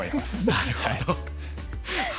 なるほど。